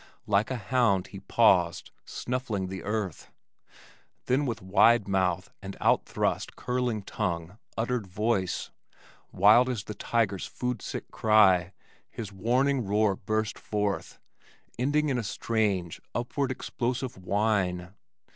Like a hound he paused, snuffling the earth. Then with wide mouth and outthrust, curling tongue, uttered voice. Wild as the tiger's food sick cry, his warning roar burst forth, ending in a strange, upward explosive whine.